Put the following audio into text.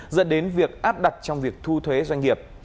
dẫn đến việc áp đặt trong việc thu thuế doanh nghiệp